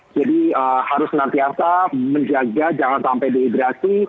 jadi harus nantiasa menjaga jangan sampai dehydrasi